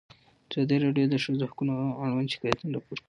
ازادي راډیو د د ښځو حقونه اړوند شکایتونه راپور کړي.